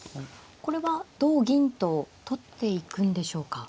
これは同銀と取っていくんでしょうか。